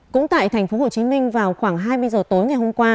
cũng tại tp hcm vào khoảng hai mươi giờ tối ngày hôm qua